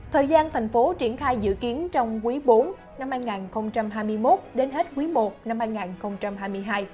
thời gian thành phố triển khai dự kiến trong quý bốn năm hai nghìn hai mươi một đến hết quý i năm hai nghìn hai mươi hai